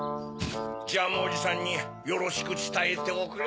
ジャムおじさんによろしくつたえておくれ。